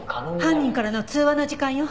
犯人からの通話の時間よ。